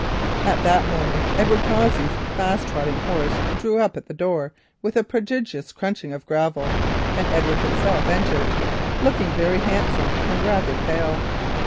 At that moment Edward Cossey's fast trotting horse drew up at the door with a prodigious crunching of gravel, and Edward himself entered, looking very handsome and rather pale.